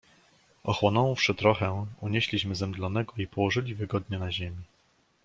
"Ochłonąwszy trochę, unieśliśmy zemdlonego i położyli wygodnie na ziemi."